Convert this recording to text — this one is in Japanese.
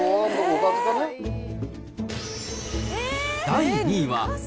第２位は。